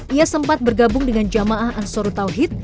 ia sempat bergabung dengan jamaah ansarut tauhid